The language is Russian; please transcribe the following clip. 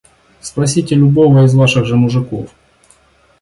Спросите любого из ваших же мужиков.